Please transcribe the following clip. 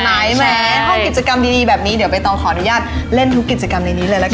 ไหนแม้ห้องกิจกรรมดีแบบนี้เดี๋ยวใบตองขออนุญาตเล่นทุกกิจกรรมในนี้เลยละกัน